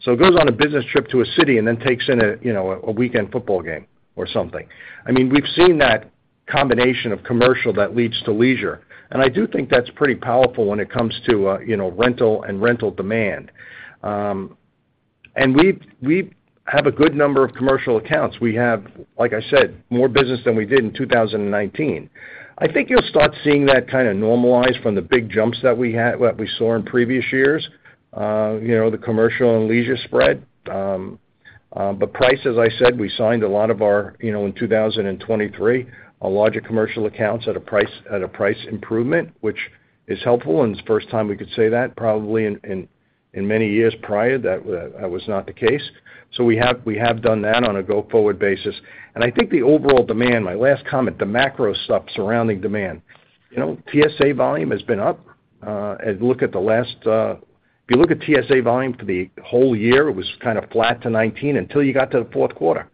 So he goes on a business trip to a city and then takes in a weekend football game or something. I mean, we've seen that combination of commercial that leads to leisure. And I do think that's pretty powerful when it comes to rental and rental demand. And we have a good number of commercial accounts. We have, like I said, more business than we did in 2019. I think you'll start seeing that kind of normalize from the big jumps that we saw in previous years, the commercial and leisure spread. But price, as I said, we signed a lot of our in 2023, a lot of commercial accounts at a price improvement, which is helpful. And it's the first time we could say that. Probably in many years prior, that was not the case. So we have done that on a go-forward basis. And I think the overall demand, my last comment, the macro stuff surrounding demand. TSA volume has been up. Look at the last if you look at TSA volume for the whole year, it was kind of flat to 2019 until you got to the Q4.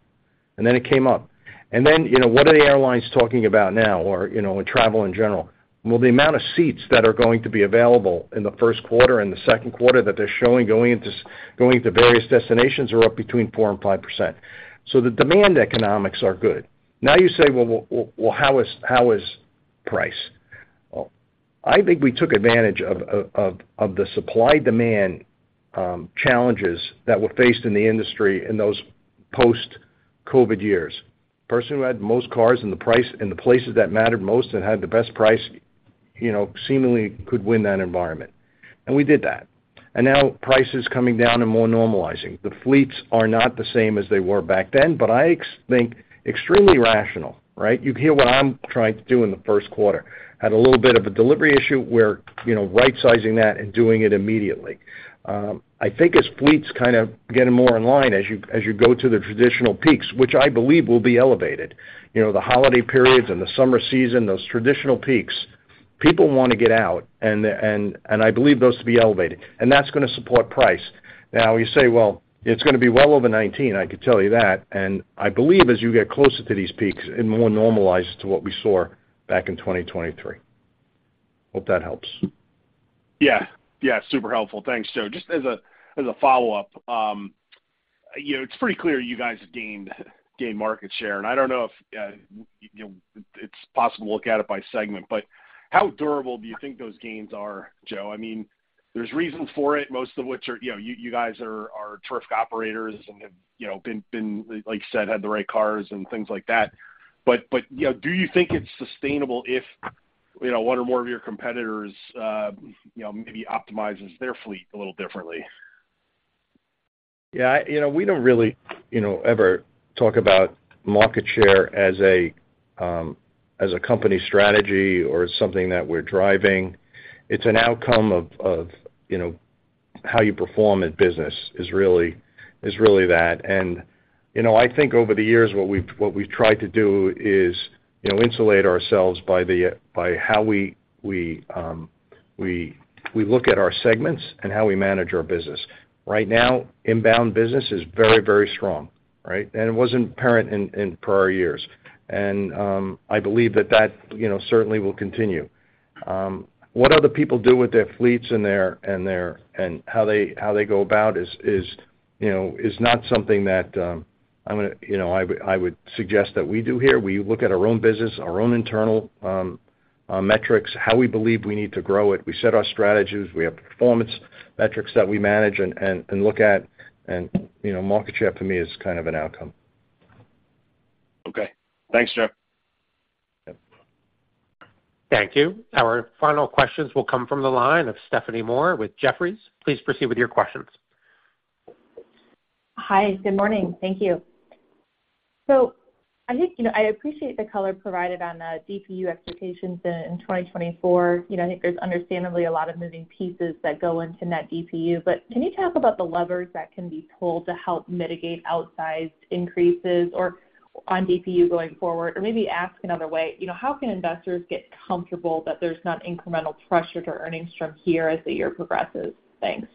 And then it came up. And then what are the airlines talking about now or travel in general? Well, the amount of seats that are going to be available in the first quarter and the second quarter that they're showing going to various destinations are up between 4%-5%. So the demand economics are good. Now you say, "Well, how is price?" Well, I think we took advantage of the supply-demand challenges that were faced in the industry in those post-COVID years. The person who had most cars and the places that mattered most and had the best price seemingly could win that environment. And we did that. And now price is coming down and more normalizing. The fleets are not the same as they were back then, but I think extremely rational, right? You hear what I'm trying to do in the first quarter. Had a little bit of a delivery issue where right-sizing that and doing it immediately. I think as fleets kind of get more in line, as you go to the traditional peaks, which I believe will be elevated, the holiday periods and the summer season, those traditional peaks, people want to get out. And I believe those to be elevated. And that's going to support price. Now you say, "Well, it's going to be well over 2019." I could tell you that. And I believe as you get closer to these peaks, it more normalizes to what we saw back in 2023. Hope that helps. Yeah. Yeah. Super helpful. Thanks, Joe. Just as a follow-up, it's pretty clear you guys have gained market share. And I don't know if it's possible to look at it by segment. But how durable do you think those gains are, Joe? I mean, there's reasons for it, most of which are you guys are terrific operators and have been, like you said, had the right cars and things like that. But do you think it's sustainable if one or more of your competitors maybe optimizes their fleet a little differently? Yeah. We don't really ever talk about market share as a company strategy or something that we're driving. It's an outcome of how you perform in business is really that. And I think over the years, what we've tried to do is insulate ourselves by how we look at our segments and how we manage our business. Right now, inbound business is very, very strong, right? And it wasn't apparent in prior years. And I believe that that certainly will continue. What other people do with their fleets and how they go about is not something that I'm going to I would suggest that we do here. We look at our own business, our own internal metrics, how we believe we need to grow it. We set our strategies. We have performance metrics that we manage and look at. And market share, for me, is kind of an outcome. Okay. Thanks, Joe. Thank you. Our final questions will come from the line of Stephanie Moore with Jefferies. Please proceed with your questions. Hi. Good morning. Thank you. So I think I appreciate the color provided on the DPU expectations in 2024. I think there's understandably a lot of moving pieces that go into net DPU. But can you talk about the levers that can be pulled to help mitigate outsized increases on DPU going forward? Or maybe ask another way, how can investors get comfortable that there's not incremental pressure to earnings from here as the year progresses? Thanks.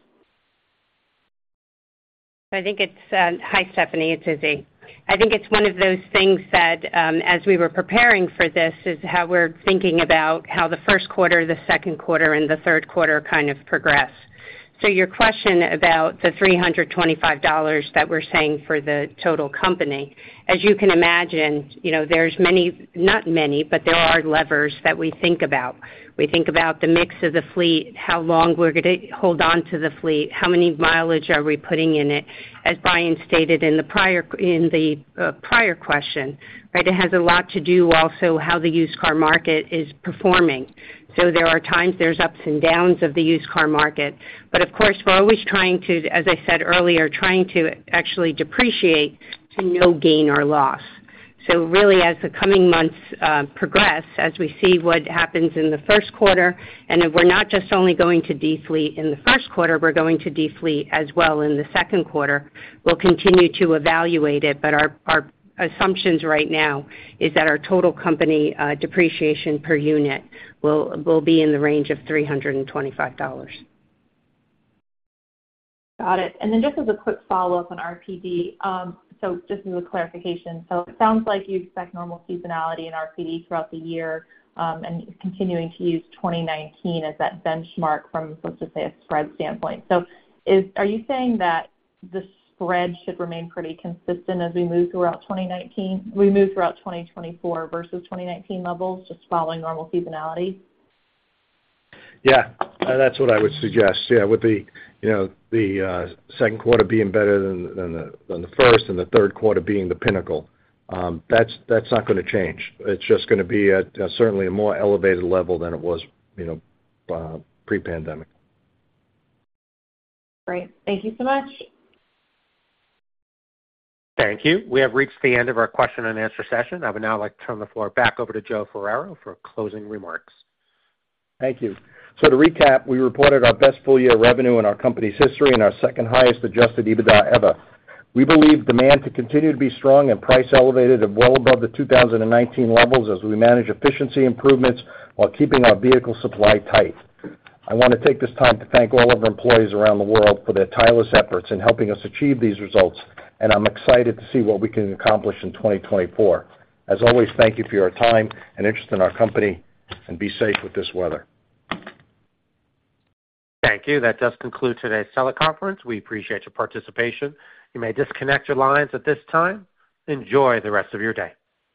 I think it's hi, Stephanie. It's Izzy. I think it's one of those things that as we were preparing for this is how we're thinking about how the first quarter, the second quarter, and the Q3 kind of progress. So your question about the $325 that we're saying for the total company, as you can imagine, there's many not many, but there are levers that we think about. We think about the mix of the fleet, how long we're going to hold onto the fleet, how many mileage are we putting in it. As Brian stated in the prior question, right, it has a lot to do also how the used car market is performing. So there are times there's ups and downs of the used car market. But of course, we're always trying to, as I said earlier, trying to actually depreciate to no gain or loss. So really, as the coming months progress, as we see what happens in the first quarter, and if we're not just only going to defleet in the first quarter, we're going to defleet as well in the second quarter, we'll continue to evaluate it. But our assumptions right now is that our total company depreciation per unit will be in the range of $325. Got it. And then just as a quick follow-up on RPD, so just as a clarification, so it sounds like you expect normal seasonality in RPD throughout the year and continuing to use 2019 as that benchmark from, let's just say, a spread standpoint. So are you saying that the spread should remain pretty consistent as we move throughout 2019 we move throughout 2024 versus 2019 levels just following normal seasonality? Yeah. That's what I would suggest, yeah, with the second quarter being better than the first and the Q3 being the pinnacle. That's not going to change. It's just going to be certainly a more elevated level than it was pre-pandemic. Great. Thank you so much. Thank you. We have reached the end of our question-and-answer session. I would now like to turn the floor back over to Joe Ferraro for closing remarks. Thank you. So to recap, we reported our best full-year revenue in our company's history and our second-highest adjusted EBITDA ever. We believe demand to continue to be strong and price elevated well above the 2019 levels as we manage efficiency improvements while keeping our vehicle supply tight. I want to take this time to thank all of our employees around the world for their tireless efforts in helping us achieve these results. I'm excited to see what we can accomplish in 2024. As always, thank you for your time and interest in our company. Be safe with this weather. Thank you. That does conclude today's teleconference. We appreciate your participation. You may disconnect your lines at this time. Enjoy the rest of your day.